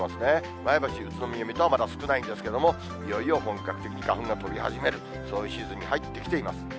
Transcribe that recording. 前橋、宇都宮、水戸はまだ少ないんですけれども、いよいよ本格的に花粉が飛び始める、そういうシーズンに入ってきています。